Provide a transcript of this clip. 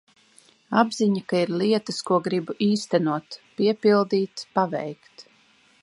Apziņa, ka ir lietas, ko gribu īstenot, piepildīt, paveikt.